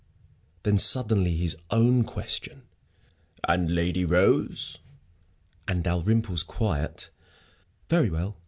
Then, suddenly, his own question "And Lady Rose?" And Dalrymple's quiet, "Very well.